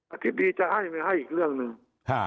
อธิบดีจะให้ไม่ให้อีกเรื่องหนึ่ง